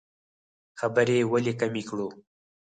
خبرې ولې کمې کړو؟